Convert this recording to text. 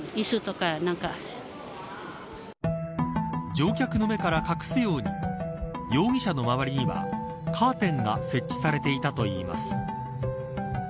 乗客の目から隠すように容疑者の周りにはカーテンが設置されていたといいます。